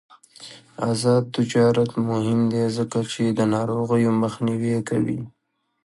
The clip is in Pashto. آزاد تجارت مهم دی ځکه چې د ناروغیو مخنیوی کوي.